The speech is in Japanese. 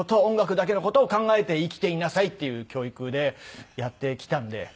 音楽だけの事を考えて生きていなさいっていう教育でやってきたので。